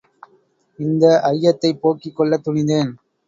இந்த ஐயத்தைப் போக்கிக் கொள்ளத் துணிந்தேன்.